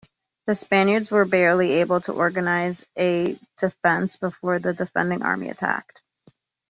The Spaniards were barely able to organise a defence before the defending army attacked.